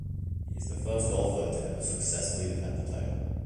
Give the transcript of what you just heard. He is the first golfer to ever successfully defend the title.